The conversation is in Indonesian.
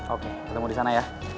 oke ketemu disana ya